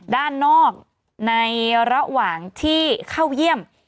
ด้านนอกในระหว่างที่เข้าเยี่ยม